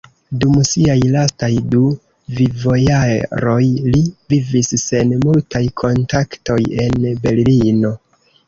Dum siaj lastaj du vivojaroj li vivis sen multaj kontaktoj en Berlino.